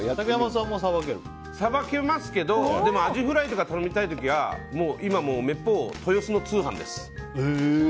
さばけますけどでもアジフライとかを頼みたい時は、めっぽう今は豊洲の通販です。